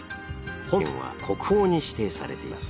本殿は国宝に指定されています。